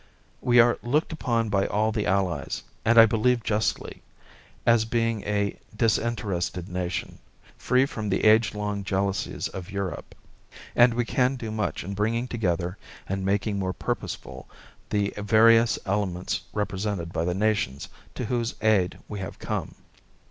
We are looked upon by all the Allies, and I believe justly, as being a disinterested nation, free from the age long jealousies of Europe. And we can do much in bringing together and making more purposeful the various elements represented by the nations to whose aid we have come.